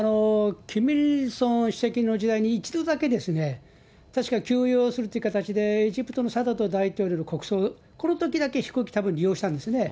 キム・イルソン主席の時代に一度だけ、確か、休養するという形で、エジプトのサダト大統領の国葬、このときだけ飛行機、たぶん利用したんですね。